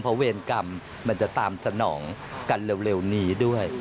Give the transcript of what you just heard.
เพราะเวรกรรมมันจะตามสนองกันเร็วนี้ด้วย